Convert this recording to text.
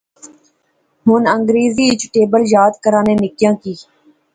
ہن انگریزی اچ ٹیبل یاد کرانے نکیاں کی